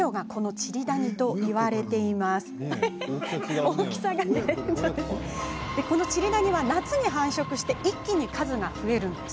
チリダニは夏に繁殖して一気に数が増えます。